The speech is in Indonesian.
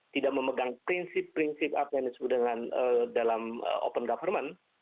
tidak memegang prinsip prinsip apa yang disebut dengan dalam open government